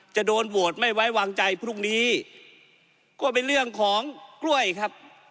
จะโดนโหวตไม่ไว้วางใจพรุ่งนี้ก็เป็นเรื่องของกล้วยครับ